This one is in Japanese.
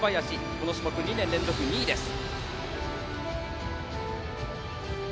この種目、２年連続２位です。